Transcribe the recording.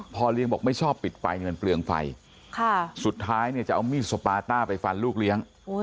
เลี้ยงบอกไม่ชอบปิดไฟมันเปลืองไฟสุดท้ายเนี่ยจะเอามีดสปาต้าไปฟันลูกเลี้ยง